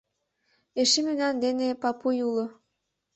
Эше мемнан дене Папуй уло.